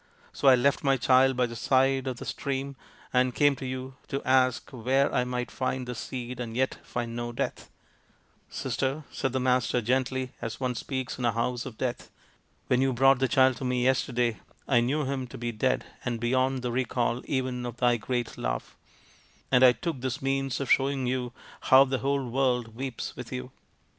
So I left my child by the side of the 184 THE INDIAN STORY BOOK stream and came to you to ask where I might find the seed and yet find no death/' " Sister/' said the Master gently, as one speaks in a house of death, " when you brought the child to me yesterday I knew him to be dead and beyond the recall even of thy great love ; and I took this means of showing you how the whole world weeps with you.